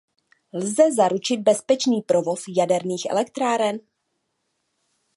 Lze zaručit bezpečný provoz jaderných elektráren?